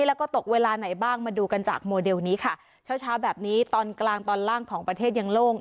แล้วก็ตกเวลาไหนบ้างมาดูกันจากโมเดลนี้ค่ะเช้าเช้าแบบนี้ตอนกลางตอนล่างของประเทศยังโล่ง